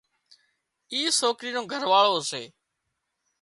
اي سوڪرِي نو گھر واۯو سي